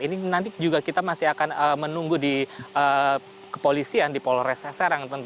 ini nanti juga kita masih akan menunggu di kepolisian di polres serang